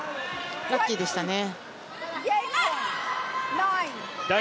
ラッキーでしたね。